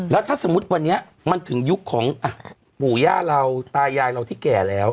แล้วถ้าสมมุติวันนี้มันถึงยุคของปู่ย่าเราตายายเราที่แก่แล้ว